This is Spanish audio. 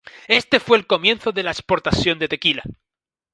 Este fue el comienzo de la exportación de tequila.